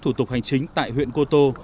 thủ tục hành chính tại huyện cô tô